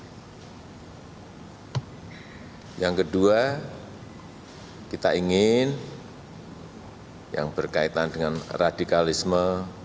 jadi yang kedua kita ingin yang berkaitan dengan radikalisme